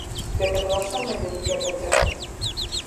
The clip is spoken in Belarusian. Гэта была самая вялікая падзяка.